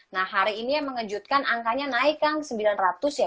nah hari ini yang mengejutkan angkanya naik kang sembilan ratus ya